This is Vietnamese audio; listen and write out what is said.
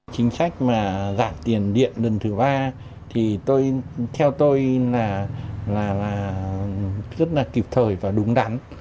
chính sách mà giảm tiền điện lần thứ ba thì theo tôi là rất là kịp thời và đúng đắn